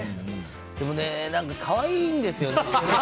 でもね、可愛いんですよね。